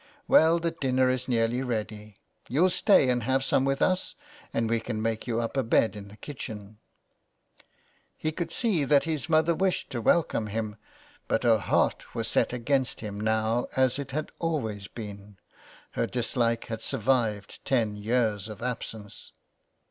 *' Well, the dinner is nearly ready. You'll stay and have some with us, and we can make you up a bed in the kitchen." He could see that his mother wished to welcome him, but her heart was set against him now as it had always been. Her dislike had survived ten years of absence.